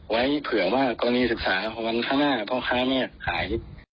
ไว้เผื่อว่ากรณีศึกษาวันข้างหน้าพ่อค้าแม่ขาย